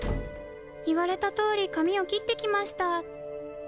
いわれたとおりかみをきってきましたです。